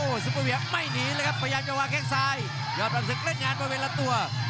โอ้ซุเปอร์เบียร์ไม่หนีเลยครับพยายามจะวางแขงไซด์ยอดประสึกเล่นงานมันเวลาตัว